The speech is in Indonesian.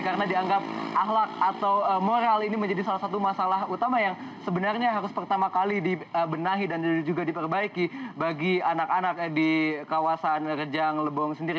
karena dianggap ahlak atau moral ini menjadi salah satu masalah utama yang sebenarnya harus pertama kali dibenahi dan juga diperbaiki bagi anak anak di kawasan rejang lebong sendiri